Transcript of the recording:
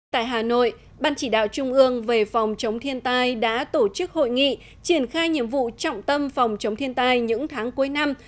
tại hà nội ban chỉ đạo trung ương về phòng chống thiên tai đã tổ chức hội nghị triển khai nhiệm vụ trọng tâm phòng chống thiên tai những tháng cuối năm